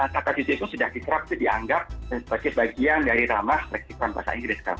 kata juche itu sudah dianggap sebagai bagian dari ramah meksikon bahasa inggris kan